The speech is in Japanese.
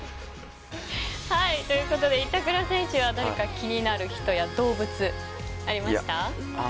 ということで、板倉選手は気になる人や動物ありました？